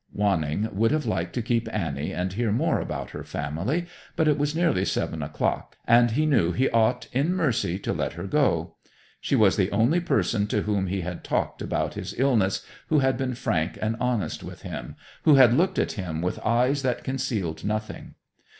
Wanning would have liked to keep Annie and hear more about her family, but it was nearly seven o'clock, and he knew he ought, in mercy, to let her go. She was the only person to whom he had talked about his illness who had been frank and honest with him, who had looked at him with eyes that concealed nothing.